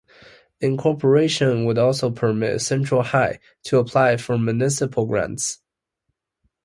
Incorporation would also permit Central High to apply for municipal grants.